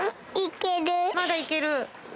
まだ行ける？